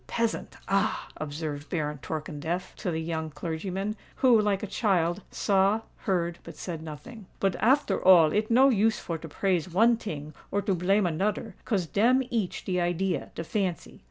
Peasant—ah!" observed Baron Torkemdef to the young clergyman, who, like a child, saw, heard, but said nothing. "But after all it no use for to praise one ting or to blame anoder—'cause dem each de idea—de fancy.